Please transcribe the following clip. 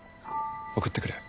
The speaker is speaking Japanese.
送ってくる。